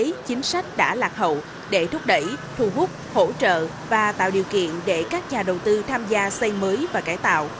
các chính sách đã lạc hậu để thúc đẩy thu hút hỗ trợ và tạo điều kiện để các nhà đầu tư tham gia xây mới và cải tạo